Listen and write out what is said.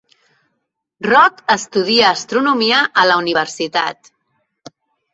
Rod estudia astronomia a la universitat.